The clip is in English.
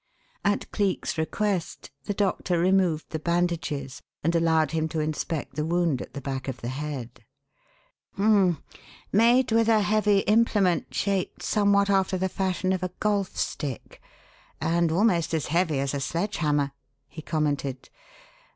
At Cleek's request the doctor removed the bandages and allowed him to inspect the wound at the back of the head. "H'm! Made with a heavy implement shaped somewhat after the fashion of a golf stick and almost as heavy as a sledge hammer," he commented.